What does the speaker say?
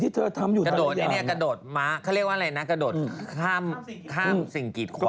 กระโดดนี่กระโดดมาเขาเรียกว่าอะไรนะกระโดดข้ามสิ่งกิจขวะ